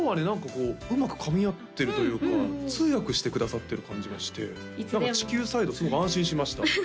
何かこううまく噛み合ってるというか通訳してくださってる感じがして地球サイドすごく安心しました